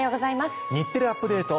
『日テレアップＤａｔｅ！』